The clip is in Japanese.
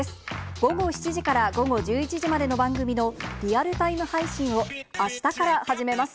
午後７時から午後１１時までの番組のリアルタイム配信を、あしたから始めます。